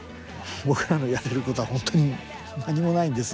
僕らのやれることは本当に何もないんです。